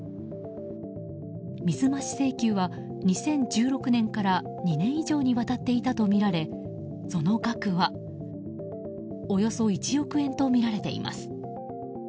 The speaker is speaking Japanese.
水増し請求は２０１６年から２年以上にわたっていたとみられその額はおよそ１億円とみられています。